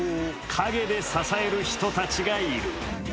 陰で支える人たちがいる。